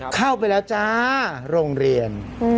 เข้าไปแล้วจ้าโรงเรียน